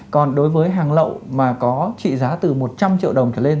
còn đối với hàng lậu mà có trị giá từ một trăm linh triệu đồng trở lên